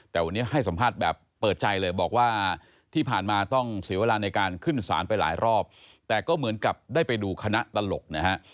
แต่วันนี้ให้สัมภาษณ์แบบเปิดใจเลยบอกว่าที่ผ่านมาต้องเสียเวลาในการขึ้นสารไปหลายรอบแต่ก็เหมือนกับได้ไปดูคณะตลกนะฮะ